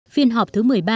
phiên họp thứ một mươi ba